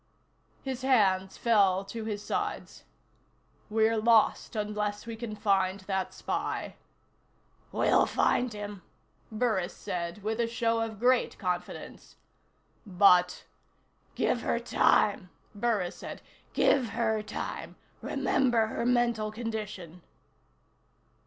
His hands fell to his sides. "We're lost, unless we can find that spy." "We'll find him," Burris said with a show of great confidence. "But " "Give her time," Burris said. "Give her time. Remember her mental condition."